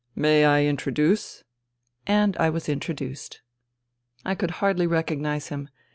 " May I introduce ?" And I was introduced. I could hardly recognize him.